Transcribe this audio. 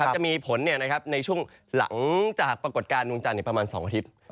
จะมีผลในช่วงหลังจากปรากฏการณ์ดวงจันทร์ประมาณ๒อาทิตย์